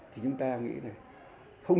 thì chúng ta nghĩ là không những là thận trọng